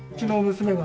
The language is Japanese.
娘が。